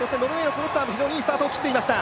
クロスターもいいスタートを切っていきました。